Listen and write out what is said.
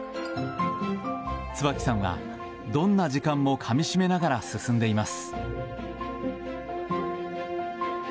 椿さんは、どんな時間もかみしめながら進んでいます。